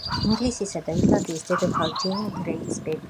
ინგლისისა და ირლანდიის დედოფალ ჯეინ გრეის ბებია.